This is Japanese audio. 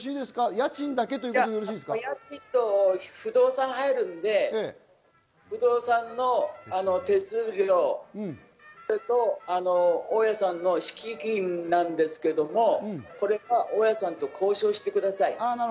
家賃と不動産屋が入るので不動産の手数料、それと大家さんの敷金なんですけれども、これは大家さんと交渉してください。